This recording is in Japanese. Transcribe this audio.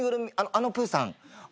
あのプーさん？